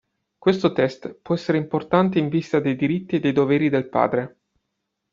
Questo test può essere importante in vista dei diritti e dei doveri del padre.